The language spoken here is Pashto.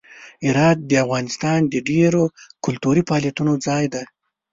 هرات د افغانستان د ډیرو کلتوري فعالیتونو ځای دی.